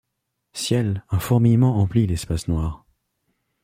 Ciel ! un fourmillement emplit l'espace noir ;